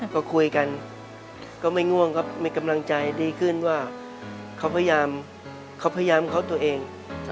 ก็คุยกันก็ไม่ง่วงครับมีกำลังใจดีขึ้นว่าเขาพยายามเขาพยายามเขาตัวเอง